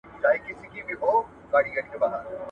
په نولسمه پیړۍ کي د تاریخ فلسفه پراخه سوه.